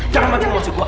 jangan mancing emosi gua